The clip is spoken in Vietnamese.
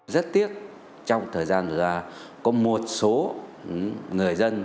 rất tiếc trong thời gian đó là có một số người dân